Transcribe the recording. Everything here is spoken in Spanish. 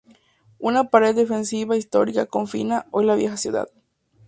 Una pared defensiva histórica confina hoy la vieja ciudad.